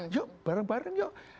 yuk bareng bareng yuk